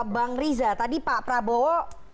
bang riza tadi pak prabowo